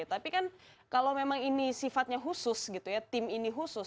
tapi kan kalau memang ini sifatnya khusus gitu ya tim ini khusus